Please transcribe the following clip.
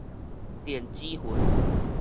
電子雲